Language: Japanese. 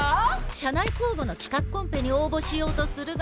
社内公募の企画コンペに応募しようとするが。